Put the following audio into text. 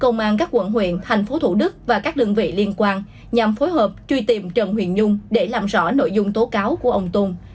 công an các quận huyện thành phố thủ đức và các đơn vị liên quan nhằm phối hợp truy tìm trần huỳnh nhung để làm rõ nội dung tố cáo của ông tùng